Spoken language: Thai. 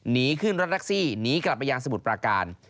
หนีขึ้นรถรักซี่หนีกลับไปยางสมุดปลาการ